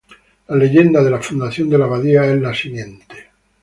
La leyenda de la fundación de la abadía es la siguiente.